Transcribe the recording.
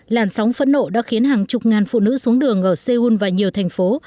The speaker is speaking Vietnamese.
làn sóng phẫn nộ đã khiến hàng chục ngàn phụ nữ xuống đường ở seoul và nhiều thành phố